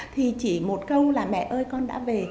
thì chỉ một câu là mẹ ơi con đã về